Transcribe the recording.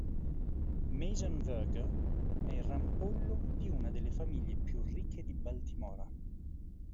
Mason Verger è il rampollo di una delle famiglie più ricche di Baltimora.